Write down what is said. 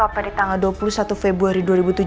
pada tanggal dua puluh satu februari dua ribu tujuh belas